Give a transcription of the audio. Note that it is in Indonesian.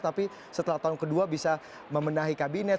tapi setelah tahun kedua bisa memenahi kabinet